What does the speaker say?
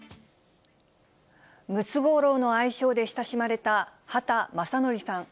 ムツゴロウの愛称で親しまれた畑正憲さん。